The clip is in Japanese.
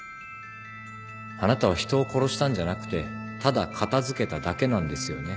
あなたは人を殺したんじゃなくてただ片付けただけなんですよね？